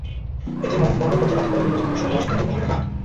এতে মনোনয়নপত্র বাতিল করে নির্বাচন কমিশনের দেওয়া সিদ্ধান্ত বহাল রাখা হয়।